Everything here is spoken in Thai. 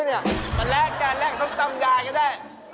หลายก็แรกออกจะแรกซ้ำตำยายก็ได้